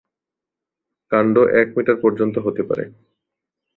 কাণ্ড এক মিটার পর্যন্ত হতে পারে।